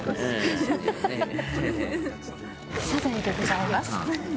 サザエでございます。